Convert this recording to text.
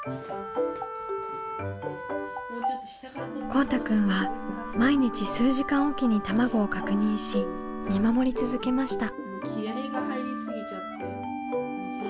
こうたくんは毎日数時間おきに卵を確認し見守り続けました。